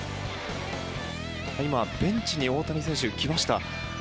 今、ベンチに大谷選手が来ました。